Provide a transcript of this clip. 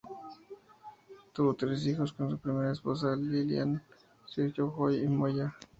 Tuvo tres hijos con su primera esposa, Lillian: J. C., Joy, y Moya.